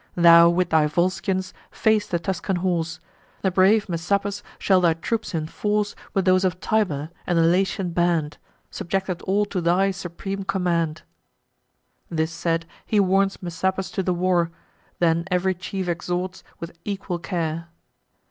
Thou, with thy Volscians, face the Tuscan horse; The brave Messapus shall thy troops enforce With those of Tibur, and the Latian band, Subjected all to thy supreme command." This said, he warns Messapus to the war, Then ev'ry chief exhorts with equal care.